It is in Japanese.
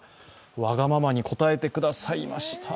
わがままに応えてくださいました。